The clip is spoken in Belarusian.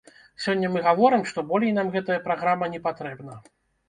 Сёння мы гаворым, што болей нам гэтая праграма не патрэбна.